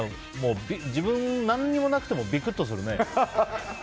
自分に何もなくてもビクッとするね。